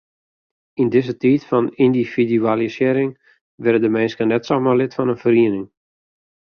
Yn dizze tiid fan yndividualisearring wurde de minsken net samar lid fan in feriening.